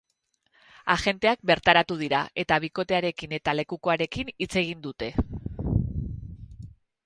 Agenteak bertaratu dira, eta bikotearekin eta lekukoarekin hitz egin dute.